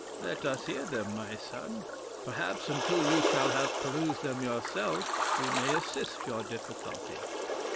"Let us hear them, my son; perhaps, until you shall have perused them yourself, we may assist your difficulty."